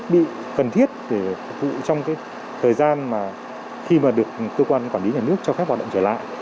thiết bị cần thiết để phục vụ trong cái thời gian mà khi mà được cơ quan quản lý nhà nước cho phép hoạt động trở lại